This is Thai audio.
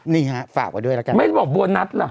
นี่ฮะฝากกันด้วยแล้วกันนะครับไม่ต้องบอกโบนัสเหรอ